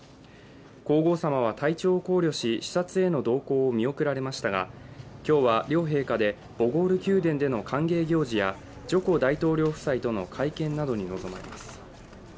皇后さまは体調を考慮し視察への同行を見送られましたが、今日は、両陛下でボゴール宮殿での歓迎行事やジョコ大統領夫妻との会見などに臨まれます。